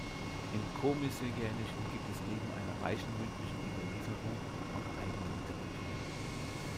Im Komi-Syrjänischen gibt es neben einer reichen mündlichen Überlieferung eine eigene Literatur.